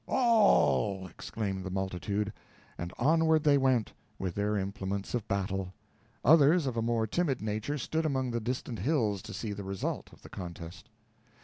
"All," exclaimed the multitude; and onward they went, with their implements of battle. Others, of a more timid nature, stood among the distant hills to see the result of the contest.